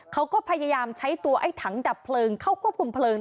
เขาก็พยายามใช้ตัวไอ้ถังดับเพลิงเข้าควบคุมเพลิง